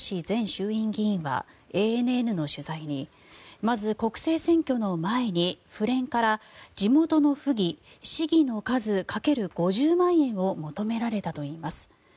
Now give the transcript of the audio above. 前衆院議員はＡＮＮの取材にまず国政選挙の前に府連から地元の府議、市議の数掛ける５０万円を求められたといいます。